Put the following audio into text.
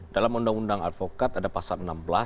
dalam undang undang advokat ada pasal enam belas